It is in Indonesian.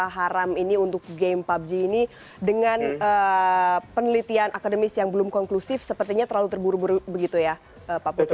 jadi ada ketatuan haram ini untuk game pubg ini dengan penelitian akademis yang belum konklusif sepertinya terlalu terburu buru begitu ya pak putri